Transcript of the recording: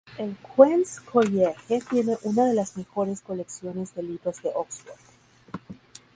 El Queen’s College tiene una de las mejores colecciones de libros de Oxford.